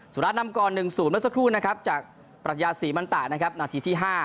สุราชนำกรหนึ่งสูตรเมื่อสักครู่นะครับจากปรัชญาสีมันตะนะครับนาทีที่๕